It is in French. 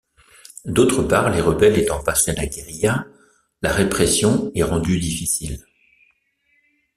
D'autre part, les rebelles étant passés à la guérilla, la répression est rendue difficile.